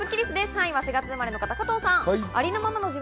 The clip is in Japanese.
３位は４月生まれの方、加藤さん。